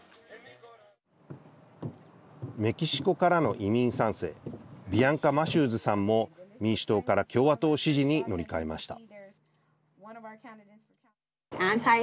メキシコからの移民３世ビアンカ・マシューズさんも民主党から共和党支持に乗り換えました。